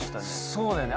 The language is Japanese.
そうだよね。